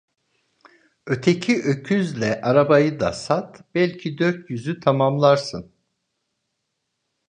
Öteki öküzle arabayı da sat, belki dört yüzü tamamlarsın.